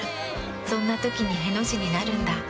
そんな時にへの字になるんだ。